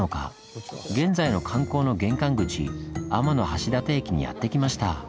現在の観光の玄関口天橋立駅にやって来ました。